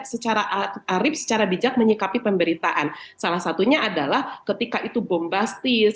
secara arif secara bijak menyikapi pemberitaan salah satunya adalah ketika itu bombastis